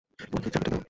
আমাকে চাবিটা দাও!